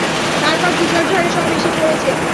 তারপর তুষারঝড়ে সব এসে পড়েছে।